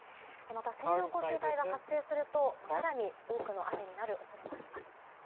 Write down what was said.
また、線状降水帯が発生すると更に、多くの雨になる恐れもあります。